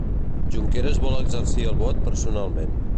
Junqueras vol exercir el vot personalment.